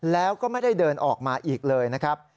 แล้วก็ไม่ได้เดินออกมาอีกเลยนะครับ